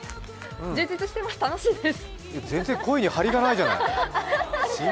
充実してます、楽しいです。